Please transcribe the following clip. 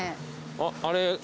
あっあれ